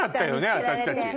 私たち。